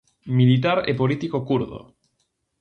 Militar e político kurdo.